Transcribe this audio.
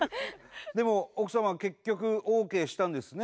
でも奥様は結局ＯＫしたんですね。